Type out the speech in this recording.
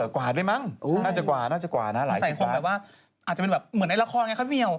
กว่าด้วยมั้งน่าจะกว่าน่าจะกว่านะหลายคนแบบว่าอาจจะเป็นแบบเหมือนในละครไงครับเหี่ยว